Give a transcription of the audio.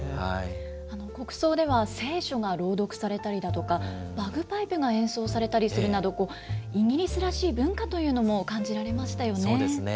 国葬では、聖書が朗読されたりだとか、バグパイプが演奏されたりするなど、イギリスらしい文化というのそうですね。